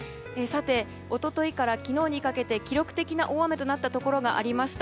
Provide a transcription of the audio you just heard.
一昨日から昨日にかけて記録的な大雨となったところがありました。